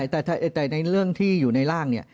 แต่ในเรื่องที่อยู่ในล่าง